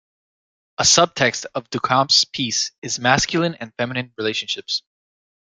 A subtext of Duchamp's piece is masculine and feminine relationships.